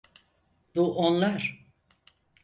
Bu onlar.